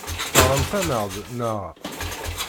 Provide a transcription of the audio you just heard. Teɣramt-aneɣ-d, naɣ?